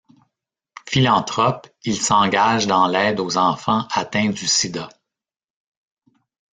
Philanthrope, il s'engage dans l'aide aux enfants atteints du sida.